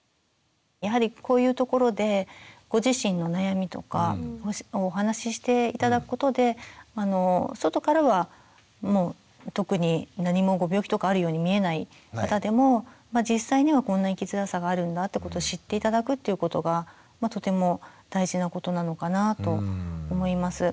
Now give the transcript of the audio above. やはりこういうところでご自身の悩みとかお話しして頂くことで外からはもう特に何もご病気とかあるように見えない方でも実際にはこんな生きづらさがあるんだってことを知って頂くっていうことがとても大事なことなのかなと思います。